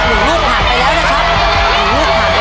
หนึ่งลูกผ่านไปแล้วนะคะ